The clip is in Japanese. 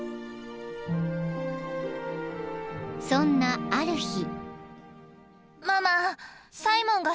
［そんなある日］